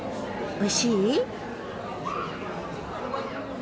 おいしい！